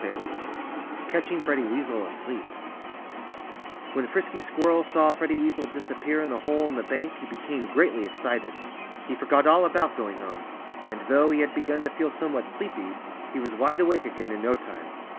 XXII Catching Freddie Weasel Asleep When Frisky Squirrel saw Freddie Weasel disappear in the hole in the bank he became greatly excited. He forgot all about going home. And though he had begun to feel somewhat sleepy, he was wide awake again in no time.